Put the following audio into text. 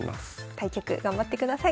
対局頑張ってください。